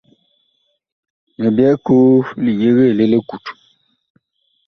Mi byɛɛ koo li yegee li likut.